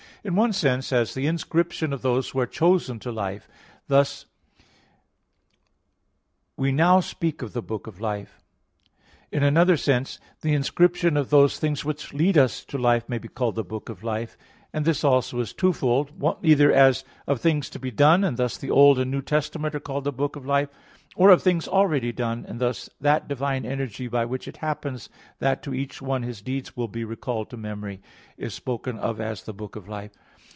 In one sense as the inscription of those who are chosen to life; thus we now speak of the book of life. In another sense the inscription of those things which lead us to life may be called the book of life; and this also is twofold, either as of things to be done; and thus the Old and New Testament are called a book of life; or of things already done, and thus that divine energy by which it happens that to each one his deeds will be recalled to memory, is spoken of as the book of life.